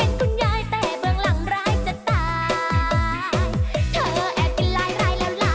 เห็นนางเงียบเกียบนางเก็บเรียบเลยน่า